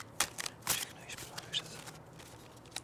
Všechna již byla vyřazena.